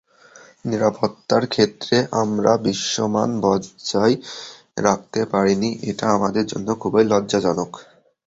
নিরাপত্তার ক্ষেত্রে আমরা বিশ্বমান বজায় রাখতে পারিনি, এটা আমাদের জন্য খুবই লজ্জাজনক।